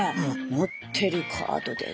「持ってるカードで」。